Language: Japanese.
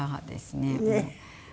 ねえ。